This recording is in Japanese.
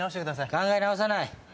考え直さない。